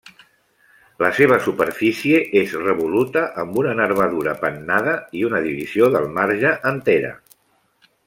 La seva superfície és revoluta amb una nervadura pennada i una divisió del marge entera.